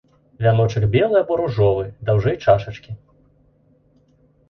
Вяночак белы або ружовы, даўжэй чашачкі.